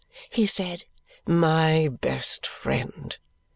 he said. "My best friend!"